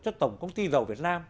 cho tổng công ty dầu việt nam